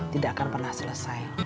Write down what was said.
tidak akan pernah selesai